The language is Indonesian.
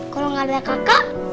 kalau gak ada kakak